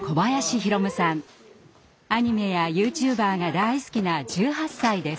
アニメやユーチューバーが大好きな１８歳です。